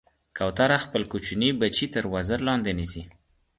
کوتره خپل کوچني بچي تر وزر لاندې نیسي.